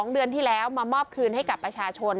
๒เดือนที่แล้วมามอบคืนให้กับประชาชน